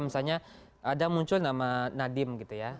misalnya ada muncul nama nadiem gitu ya